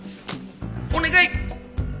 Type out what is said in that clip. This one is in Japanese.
お願い！